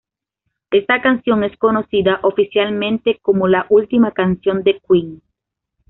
Esta canción es conocida oficialmente como "La Última Canción de Queen".